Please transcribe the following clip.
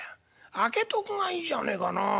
開けとくがいいじゃねえかなあ。